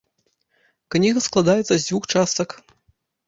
Кніга складаецца з дзвюх частак.